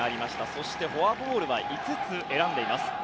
そしてフォアボールは５つ選んでいます。